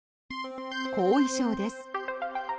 後遺症です。